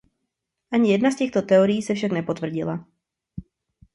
Ani jedna z těchto teorií se však nepotvrdila.